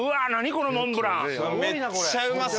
このモンブラン！